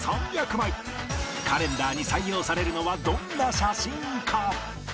今夜の『有吉クイズ』はカレンダーに採用されるのはどんな写真か？